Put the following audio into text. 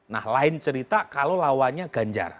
nah lain cerita kalau lawannya ganjar